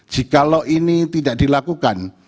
jika law ini tidak dilakukan